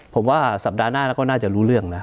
ผมว่าสัปดาห์หน้าเราก็น่าจะรู้เรื่องนะ